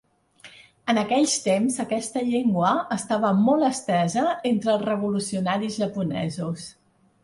En aquells temps, aquesta llengua estava molt estesa entre els revolucionaris japonesos.